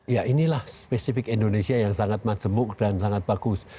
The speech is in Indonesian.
ya inilah spesifik indonesia yang sangat majemuk dan sangat bagus